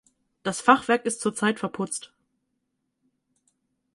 Das Fachwerk ist zur Zeit verputzt.